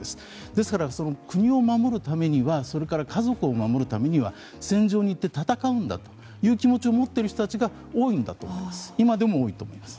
ですから、国を守るため家族を守るためには戦場に行って戦うんだという気持ちを持っている人たちが多いんだと思います。